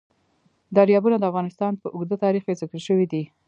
دریابونه د افغانستان په اوږده تاریخ کې ذکر شوی دی.